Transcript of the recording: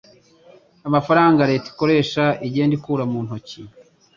Amafaranga leta ikoresha igenda ikura mu ntoki.